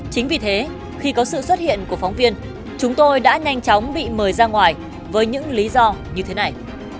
chính vì thế khi có sự xuất hiện của phóng viên chúng tôi đã nhanh chóng bị mời ra ngoài với những lý do như thế này